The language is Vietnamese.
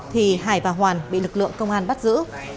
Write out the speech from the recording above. thì hải và hoàn bị lực lượng công an bắt giữ